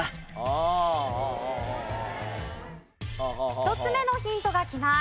１つ目のヒントがきます。